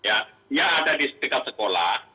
ya dia ada di setiap sekolah